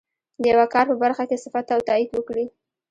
د یوه کار په برخه کې صفت او تایید وکړي.